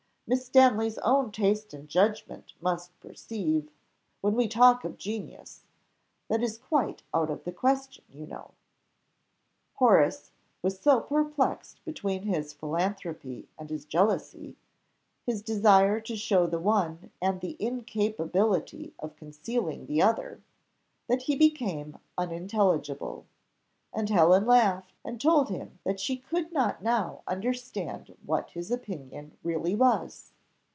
Miss Stanley's own taste and judgment must perceive when we talk of genius that is quite out of the question, you know." Horace was so perplexed between his philanthropy and his jealousy, his desire to show the one and his incapability of concealing the other, that he became unintelligible; and Helen laughed, and told him that she could not now understand what his opinion really was.